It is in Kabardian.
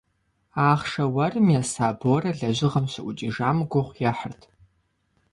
Ахъшэ уэрым еса Борэ лэжьыгъэм щыӏукӏыжам гугъу ехьырт.